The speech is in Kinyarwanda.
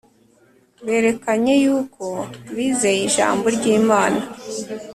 berekanye yuko bizeye ijambo ry’imana